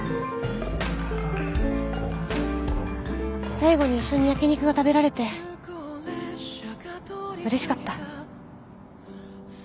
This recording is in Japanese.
最後に一緒に焼き肉が食べられてうれしかった。